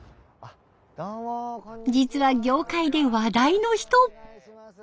実は業界で話題の人。